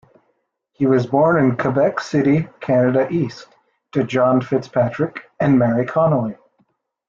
He was born in Quebec City, Canada East, to John Fitzpatrick and Mary Connolly.